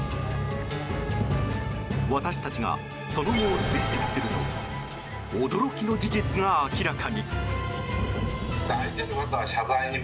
私たちが、その後を追跡すると驚きの事実が明らかに。